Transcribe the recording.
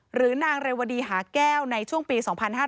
หรือนางเรวดีหาแก้วในช่วงปี๒๕๕๙